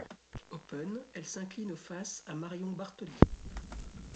Open, elle s'incline au face à Marion Bartoli.